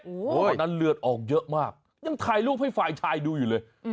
โอ้โหวันนั้นเลือดออกเยอะมากยังถ่ายรูปให้ฝ่ายชายดูอยู่เลย